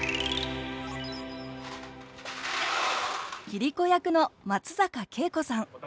桐子役の松坂慶子さん。